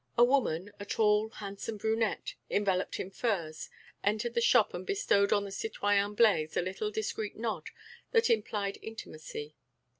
A woman, a tall, handsome brunette, enveloped in furs, entered the shop and bestowed on the citoyen Blaise a little discreet nod that implied intimacy.